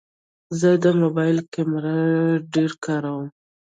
زه د موبایل کیمره ډېره کاروم.